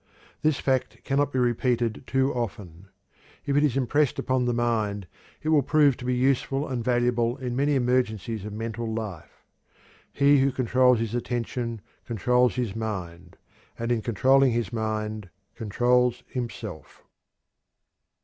This fact cannot be repeated too often. If it is impressed upon the mind it will prove to be useful and valuable in many emergencies of mental life. He who controls his attention controls his mind, and in controlling his mind controls himself.